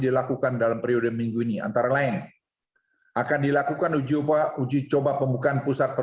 dilakukan dalam periode minggu ini antara lain akan dilakukan uji coba uji coba pembukaan pusat